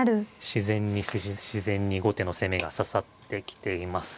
自然に自然に後手の攻めが刺さってきています。